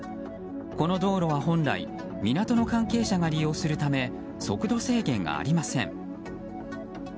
この道路は本来、港の関係者が利用するため速度制限がありません。